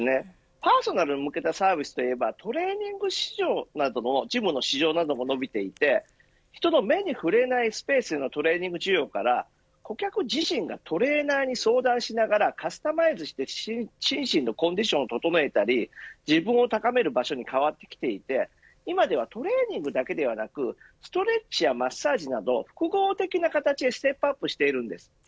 パーソナルに向けたサービスではトレーニング市場などの一部の市場も伸びていて人の目に触れないスペースでトレーニング需要から顧客自身がトレーナーに相談しながらカスタマイズして心身のコンディションを整えたり自分を高める場所に変わってきていて今ではトレーニングだけではなくストレッチやマッサージなど複合的な形へステップアップしています。